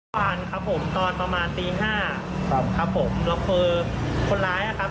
เมื่อวานครับผมตอนประมาณตีห้าครับครับผมแล้วคือคนร้ายอ่ะครับ